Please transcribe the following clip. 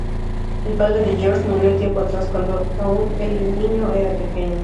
El padre de Georg murió tiempo atrás cuando aun el niño era pequeño.